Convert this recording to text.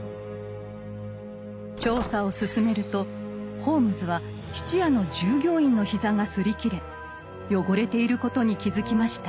調査を進めるとホームズは質屋の従業員の膝が擦り切れ汚れていることに気付きました。